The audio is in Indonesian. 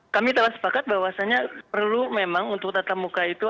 kami telah sepakat bahwasannya perlu memang untuk tatap muka itu